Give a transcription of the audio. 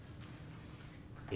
「え？